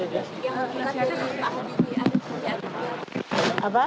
sebagai seorang anak pak